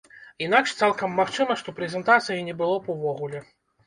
Інакш, цалкам магчыма, што прэзентацыі не было б увогуле.